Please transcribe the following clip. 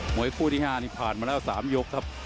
วยคู่ที่๕นี่ผ่านมาแล้ว๓ยกครับ